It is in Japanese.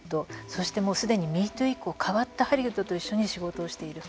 そして、すでに＃ＭｅＴｏｏ以降変わったハリウッドと一緒に仕事をしている。